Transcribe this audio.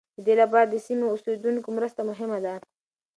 دې لپاره د سیمو اوسېدونکو مرسته مهمه ده.